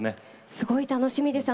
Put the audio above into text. すごい楽しみです。